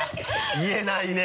言えないね。